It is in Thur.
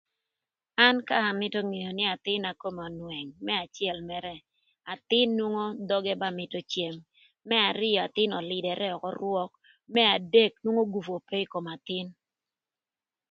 An k'amïtö ngeo nï athïn-na kome önwëng, më acël mërë athïn nwongo dhögë ba mïtö cem, më arïö athïn ölïdërë ökö rwök, më adek nwongo gupu ope ï kom athïn.